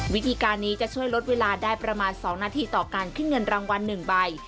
วิธีการนี้จะช่วยลดเวลาได้ประมาณ๒นาทีต่อการขึ้นเงินรางวัล๑ใบ